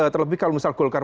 terlebih kalau misal golkar